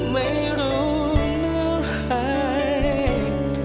ไม่รู้เมื่อไหร่